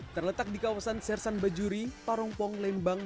terletak di kawasan sersan bajuri parongpong lembang